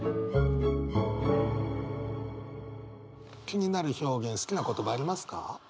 気になる表現好きな言葉ありますか？